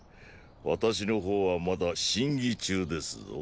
私の方はまだ審議中ですぞ。